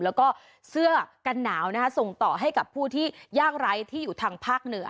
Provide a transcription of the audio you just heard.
แล้วก็เสื้อกันหนาวส่งต่อให้กับผู้ที่ยากไร้ที่อยู่ทางภาคเหนือ